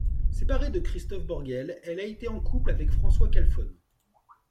Séparée de Christophe Borgel, elle a été en couple avec François Kalfon.